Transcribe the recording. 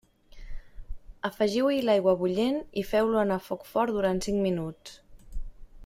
Afegiu-hi l'aigua bullent i feu-lo anar a foc fort durant cinc minuts.